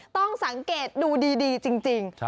ต้องสังเกตดูดีจริง